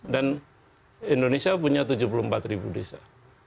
dan indonesia punya tujuh puluh empat desa